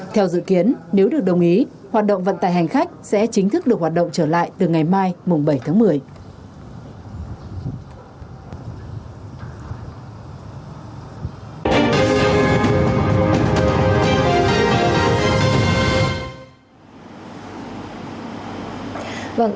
theo dự kiến nếu được đồng ý hoạt động vận tải hành khách sẽ chính thức được hoạt động trở lại từ ngày mai bảy tháng một mươi